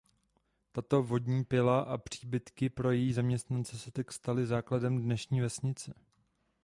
Tato vodní pila a příbytky pro její zaměstnance se tak staly základem dnešní vesnice.